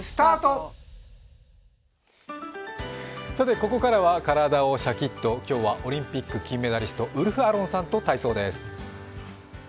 ここからは体をシャキッと、今日はオリンピック金メダリストウルフ・アロンさんと体操です。